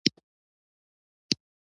تمام عمر دې د هجر غضب نه وي